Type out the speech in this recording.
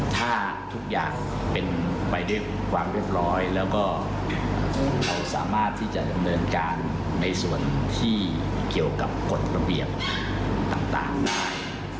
ถ้าทุกอย่างเป็นไปด้วยความเรียบร้อยแล้วก็เราสามารถที่จะดำเนินการในส่วนที่เกี่ยวกับกฎระเบียบต่างได้